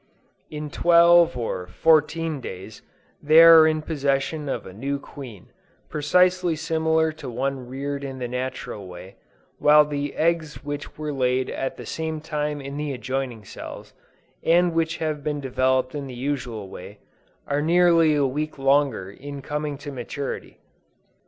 In twelve or fourteen days, they are in possession of a new queen, precisely similar to one reared in the natural way, while the eggs which were laid at the same time in the adjoining cells, and which have been developed in the usual way, are nearly a week longer in coming to maturity.